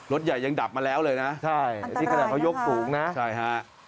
รถใหญ่ยังดับมาแล้วเลยนะอันตรายนะครับ